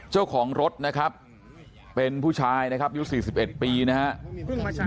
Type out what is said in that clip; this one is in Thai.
เจ้าของรถนะครับเป็นผู้ชายนะครับอายุ๔๑ปีนะครับ